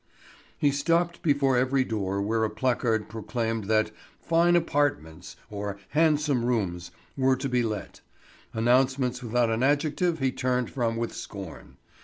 He stopped before every door where a placard proclaimed that "fine apartments" or "handsome rooms" were to be let; announcements without an adjective he turned from with scorn.